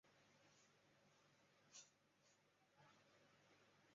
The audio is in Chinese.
我们没有血缘关系